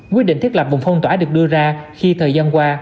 quyết định thiết lập vùng phong tỏa được đưa ra khi thời gian qua